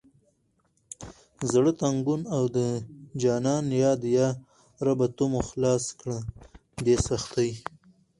زړه تنګون او د جانان یاد یا ربه ته مو خلاص کړه دې سختي…